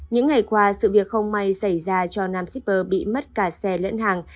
những ngày qua sự việc không may xảy ra cho nam shipper bị mất cả xe lẫn hàng